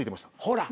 ほら。